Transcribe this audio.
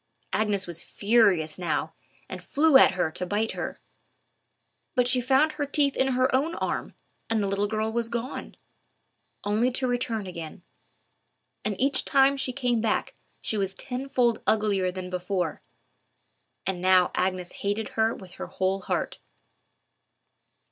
Agnes was furious now, and flew at her to bite her. But she found her teeth in her own arm, and the little girl was gone—only to return again; and each time she came back she was tenfold uglier than before. And now Agnes hated her with her whole heart.